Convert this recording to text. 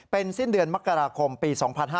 เป็นสิ้นเดือนมกราคมปี๒๕๕๙